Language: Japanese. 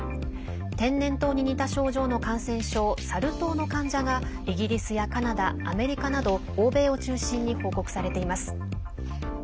天然痘に似た症状の感染症サル痘の患者がイギリスやカナダ、アメリカなど欧米を中心に報告されています。